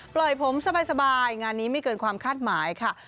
ปล่อยผมสบายงานนี้ไม่เกินความคาดหมายค่ะ